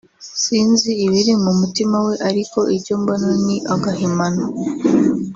sinzi ibiri mu mutima we ariko icyo mbona ni agahimano"